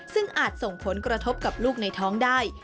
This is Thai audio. ซึ่งอาจส่งผลกระทบกับลูกในท้องได้